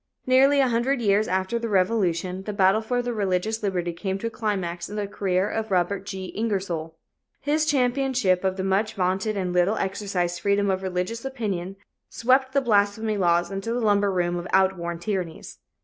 Nearly a hundred years after the Revolution the battle for religious liberty came to a climax in the career of Robert G. Ingersoll. His championship of the much vaunted and little exercised freedom of religious opinion swept the blasphemy laws into the lumber room of outworn tyrannies.